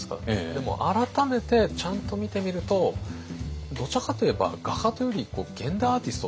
でも改めてちゃんと見てみるとどちらかと言えば画家というより現代アーティストっていうんですか？